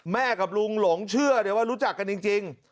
กับลุงหลงเชื่อเลยว่ารู้จักกันจริง